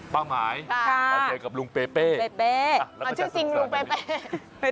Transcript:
ป้าหมายค่ะค่ะกับจุดเด่นกับลูงเป๊เป่เป๊เป่เอ้าชื่อจริงลูงเป๊เป่